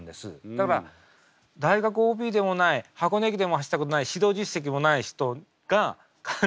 だから大学ＯＢでもない箱根駅伝も走ったことない指導実績もない人が監督になるわけですから。